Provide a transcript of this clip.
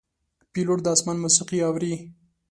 پیلوټ د آسمان موسیقي اوري.